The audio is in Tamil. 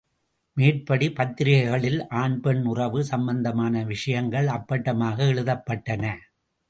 மேற்படி பத்திரிகைகளில் ஆண் பெண் உறவு சம்பந்தமான விஷயங்கள் அப்பட்டமாக எழுதப்பட்டன.